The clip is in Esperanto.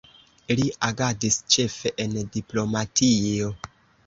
Li agadis ĉefe en diplomatio.